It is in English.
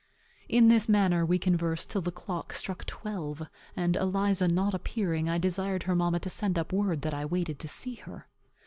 In this manner we conversed till the clock struck twelve; and, Eliza not appearing, I desired her mamma to send up word that I waited to see her.